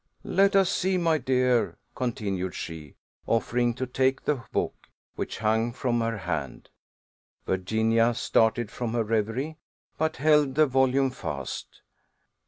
"Let us see, my dear," continued she, offering to take the hook, which hung from her hand. Virginia started from her reverie, but held the volume fast.